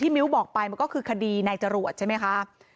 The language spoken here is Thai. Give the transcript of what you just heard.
มันก็คือคดีในจรวจใช่ไหมคะ